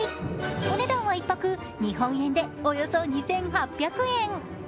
お値段は１泊、日本円でおよそ２８００円。